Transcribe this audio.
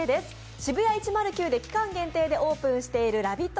ＳＨＩＢＵＹＡ１０９で期間限定でオープンしているラヴィット！